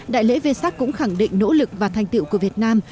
đại lễ vê sắc cũng khẳng định nỗ lực và thành tựu của việt nam